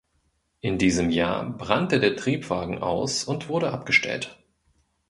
In diesem Jahr brannte der Triebwagen aus und wurde abgestellt.